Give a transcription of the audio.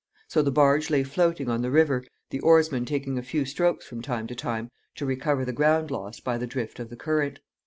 So the barge lay floating on the river, the oarsmen taking a few strokes from time to time to recover the ground lost by the drift of the current.